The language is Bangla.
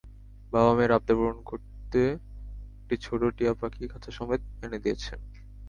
বাবা মেয়ের আবদার পূরণ করতে একটা ছোট টিয়া পাখি খাঁচাসমেত এনে দিয়েছেন।